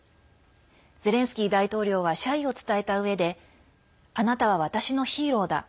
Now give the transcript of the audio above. ゼレンスキー大統領は謝意を伝えたうえであなたは私のヒーローだ。